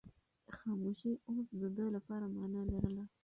خاموشي اوس د ده لپاره مانا لرله.